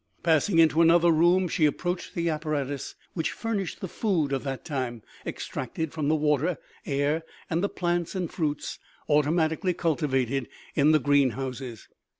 Passing into another room, she approached the apparatus which fur nished the food of that time, extracted from the water, air, and the plants and fruits automatically cultivated in the greenhouses.